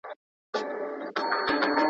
زه درځم چي به رپیږي زموږ رنګین بیرغ پر کلي